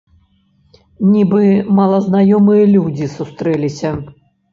Нібы малазнаёмыя людзі сустрэліся.